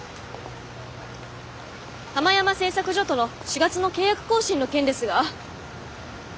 ハマヤマ製作所との４月の契約更新の件ですが。